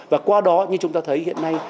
và qua đó như chúng ta thấy hiện nay